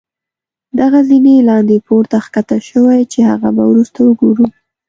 دغه زينې لاندې پوړ ته ښکته شوي چې هغه به وروسته وګورو.